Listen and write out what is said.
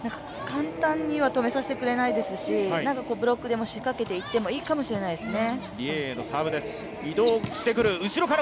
簡単には止めさせてくれないですし、ブロックでも仕掛けていってもいいかもしれないですね。